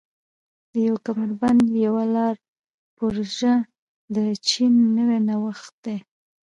د یو کمربند یوه لار پروژه د چین نوی نوښت دی.